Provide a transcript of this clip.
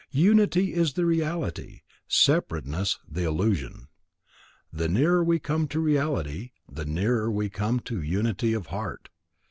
Unity is the reality; separateness the illusion. The nearer we come to reality, the nearer we come to unity of heart.